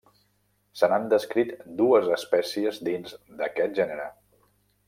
Se n'han descrit dues espècies dins aquest gènere.